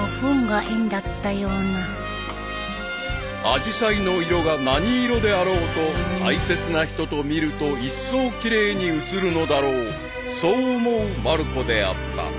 ［アジサイの色が何色であろうと大切な人と見るといっそう奇麗に映るのだろうそう思うまる子であった］